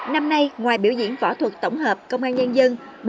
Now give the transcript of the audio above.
năm nay ngoài biểu diễn võ thuật tổng hợp công an nhân dân